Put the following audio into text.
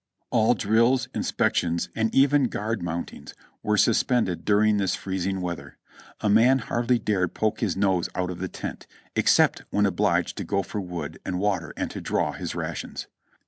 All drills, inspections and even guard mountings were sus pended during this freezing weather. A man hardly dared poke his nose out of the tent, except when obliged to go for wood and water and to draw his rations.